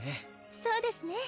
そうですね